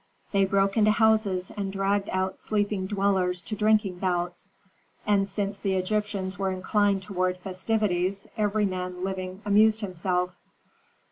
They broke into houses and dragged out sleeping dwellers to drinking bouts; and since the Egyptians were inclined toward festivities every man living amused himself.